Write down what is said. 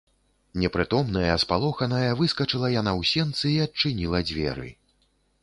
Непрытомная, спалоханая выскачыла яна ў сенцы і адчыніла дзверы.